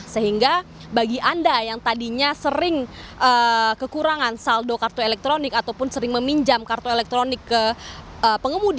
sehingga bagi anda yang tadinya sering kekurangan saldo kartu elektronik ataupun sering meminjam kartu elektronik ke pengemudi